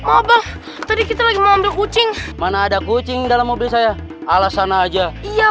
abah tadi kita lagi mau ambil kucing mana ada kucing dalam mobil saya alas sana aja iya